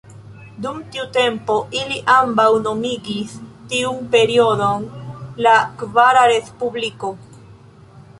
Dum tiu tempo ili ambaŭ nomigis tiun periodon la "kvara Respubliko".